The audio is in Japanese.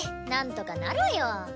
何とかなるわよ。